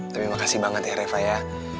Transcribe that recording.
tapi makasih banget ya reva ya